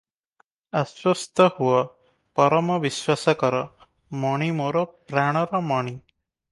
ଆଶ୍ୱସ୍ତହୁଅ; ପରମ ବିଶ୍ୱାସ କର, ମଣି ମୋର ପ୍ରାଣର ମଣି ।"